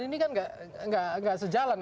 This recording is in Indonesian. ini kan enggak sejalan